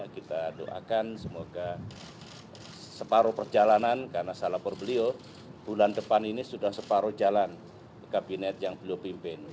kita doakan semoga separuh perjalanan karena saya lapor beliau bulan depan ini sudah separuh jalan ke kabinet yang beliau pimpin